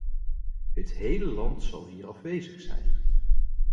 Het hele land zal hier afwezig zijn.